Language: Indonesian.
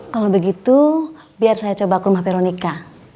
kalau begitu biar saya coba rumah veronika